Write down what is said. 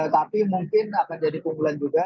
tapi mungkin akan jadi pukulan juga